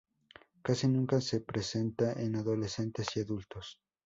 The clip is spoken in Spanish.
Casi nunca se presenta en adolescentes y adultos.